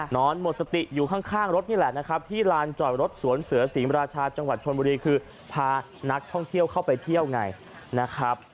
นอนหมดสติอยู่ข้างรถนี่แหละนะครับที่ลานจอดรถสวนเสือศรีมราชาจังหวัดชนบุรีคือพานักท่องเที่ยวเข้าไปเที่ยวไงนะครับ